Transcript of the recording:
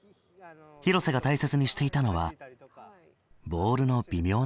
廣瀬が大切にしていたのはボールの微妙な調整だ。